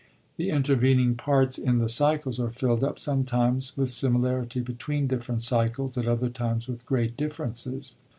The intervening parts in the cycles are fiUd up, sometimes with similarity between different cycles, at other times with great differences.